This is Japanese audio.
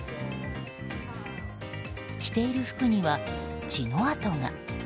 着ている服には血の痕が。